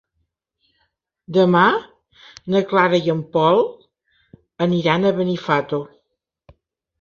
Demà na Clara i en Pol aniran a Benifato.